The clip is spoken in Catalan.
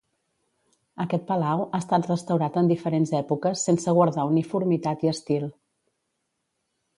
Aquest palau ha estat restaurat en diferents èpoques sense guardar uniformitat i estil.